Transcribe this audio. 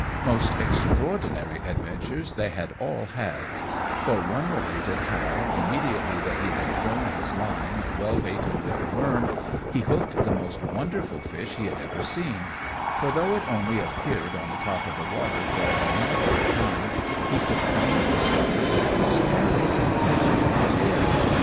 Most extraordinary adventures they had all had; for one related how, immediately that he had thrown his line, well baited with a worm, he hooked the most wonderful fish he had ever seen; for though it only appeared on the top of the water for a moment at a time, he could plainly discover that it was hairy, and had a long tail.